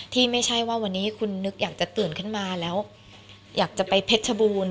ที่ไม่ใช่ว่าวันนี้คุณนึกอยากจะตื่นขึ้นมาแล้วอยากจะไปเพชรชบูรณ์